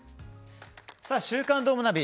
「週刊どーもナビ」